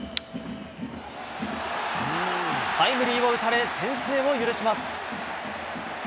タイムリーを打たれ、先制を許します。